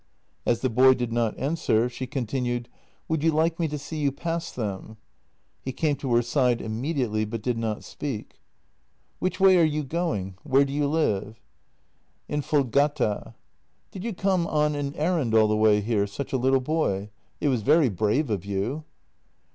As the boy did not an swer, she continued: "Would you like me to see you past them? " He came to her side immediately, but did not speak. JENNY 194 " Which way are you going? Where do you live? "" In Voldgata." " Did you come on an errand all the way here, such a little boy ?— it was very brave of you."